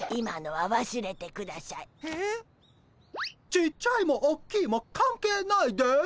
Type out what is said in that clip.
ちっちゃいもおっきいも関係ないです。